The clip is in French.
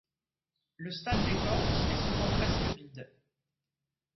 Le stade des Corts est souvent presque vide.